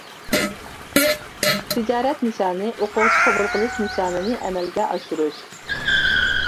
تىجارەت نىشانى ئوقۇغۇچى قوبۇل قىلىش نىشانىنى ئەمەلگە ئاشۇرۇش.